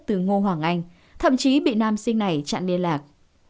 cho hoàng anh thậm chí bị nam sinh này chặn liên lạc